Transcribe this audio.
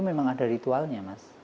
memang ada ritualnya mas